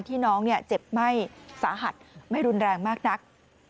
ที่น้องเจ็บไหม้สาหัสไม่รุนแรงมากนัก